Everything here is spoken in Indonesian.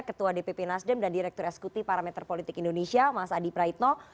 ketua dpp nasdem dan direktur eskuti parameter politik indonesia mas adi praitno